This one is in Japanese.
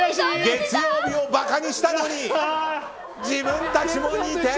月曜日を馬鹿にしたのに自分たちも２点！